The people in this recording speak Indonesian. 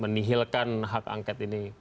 menihilkan hak angket ini